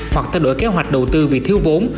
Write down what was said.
hoặc thay đổi kế hoạch đầu tư vì thiếu vốn